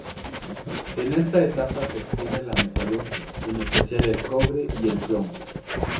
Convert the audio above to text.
En esta etapa se extiende la metalurgia, en especial el cobre y el plomo.